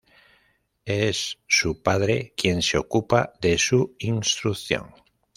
Es su padre quien se ocupa de su instrucción.